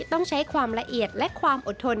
ต้องใช้ความละเอียดและความอดทน